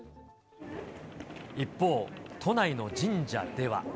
一方、都内の神社では。